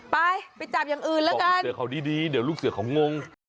ไปไปจับอย่างอื่นละกันเดี๋ยวลูกเสือเขาดีเดี๋ยวลูกเสือเขางง